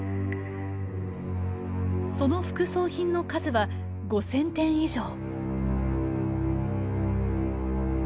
その副葬品の数は５，０００点以上。